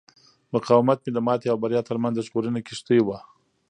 مقاومت مې د ماتې او بریا ترمنځ د ژغورنې کښتۍ وه.